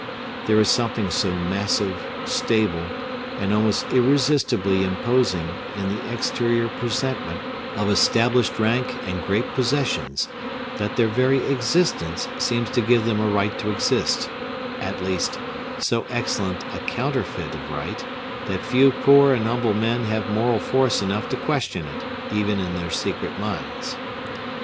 There is something so massive, stable, and almost irresistibly imposing in the exterior presentment of established rank and great possessions, that their very existence seems to give them a right to exist; at least, so excellent a counterfeit of right, that few poor and humble men have moral force enough to question it, even in their secret minds.